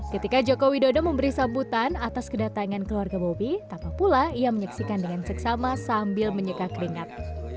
ketika joko widodo memberi sambutan atas kedatangan keluarga bobi tanpa pula ia menyaksikan dengan seksama sambil menyekak ringan